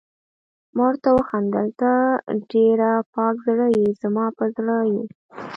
ما ورته وخندل: ته ډېره پاک زړه يې، زما په زړه یې.